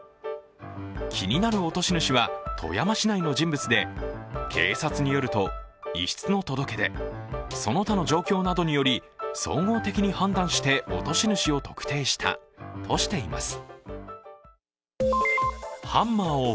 気になる落とし主は富山市内の人物で、警察によると、遺失の届け出、その他の状況などにより、総合的に判断して落とし主を特定したとしています。